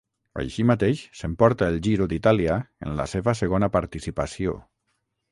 Així mateix, s'emporta el Giro d'Itàlia en la seva segona participació.